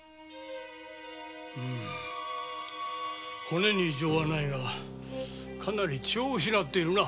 骨に異常はないがかなり血を失っているな。